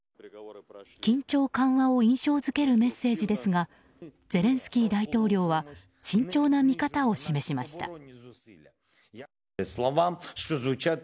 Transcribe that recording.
緊張緩和を印象付けるメッセージですがゼレンスキー大統領は慎重な見方を示しました。